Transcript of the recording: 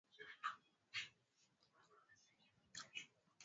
Simiyi ni jina langu